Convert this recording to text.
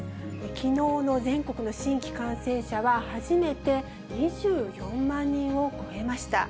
きのうの全国の新規感染者は初めて２４万人を超えました。